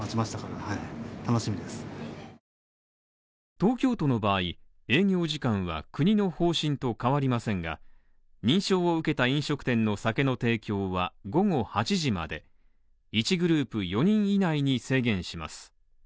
東京都の場合、営業時間は国の方針と変わりませんが、認証を受けた飲食店の酒の提供は午後８時まで、１グループ４人以内に制限します。